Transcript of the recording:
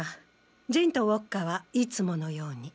ジンとウォッカはいつものように。